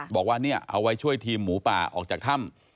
บอกว่าเนี่ยเอาไว้ช่วยทีมหมูป่าออกจากถ้ำ